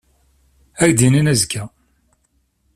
Ad ak-d-inin azekka.